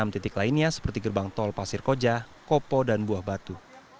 enam titik lainnya seperti gerbang tol pasir koja kopo dan buah batu